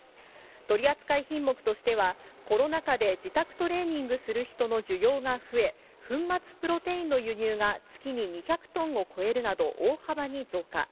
取り扱い品目としては、コロナ禍で自宅トレーニングする人の需要が増え、粉末プロテインの輸入が月に２００トンを超えるなど、大幅に増加。